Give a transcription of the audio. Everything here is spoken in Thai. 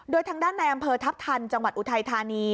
โดยทางด้านในอำเภอทัพทันจังหวัดอุทัยธานี